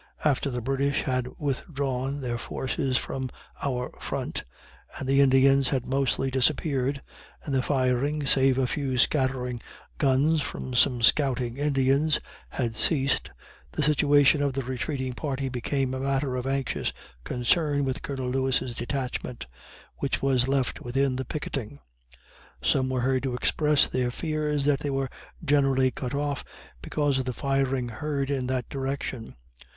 After the British had withdrawn their forces from our front, and the Indians had mostly disappeared, and the firing, save a few scattering guns from some scouting Indians, had ceased, the situation of the retreating party became a matter of anxious concern with Colonel Lewis' detachment, which was left within the picketing. Some were heard to express their fears that they were generally cut off, because of the firing heard in that direction.